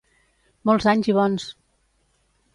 Molts anys i bons!